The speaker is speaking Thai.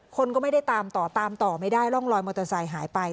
คนก็ไม่ได้ตามต่อตามต่อไม่ได้ร่องรอยมอเตอร์ไซค์หายไป